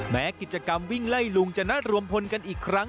แม้กิจกรรมวิ่งไล่ลุงจะนัดรวมพลกันอีกครั้ง